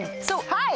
はい！